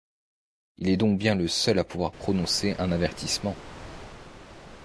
Il est donc bien le seul à pouvoir prononcer un avertissement.